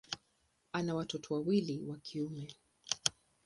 Ana watoto wawili wa kiume.